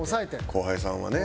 後輩さんはね。